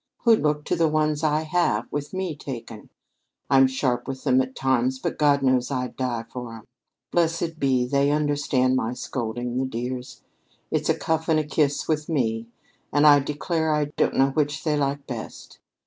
Who'd look to the ones I have, with me taken? I'm sharp with them at times, but God knows I'd die for 'em. Blessed be, they understand my scolding, the dears. It's a cuff and a kiss with me, and I declare I don't know which they like best.